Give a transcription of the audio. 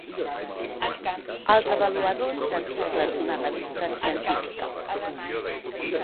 Els avaluadors d'articles d'una revista científica.